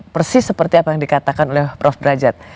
persis seperti apa yang dikatakan oleh prof derajat